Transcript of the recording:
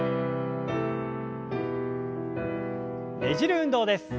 ねじる運動です。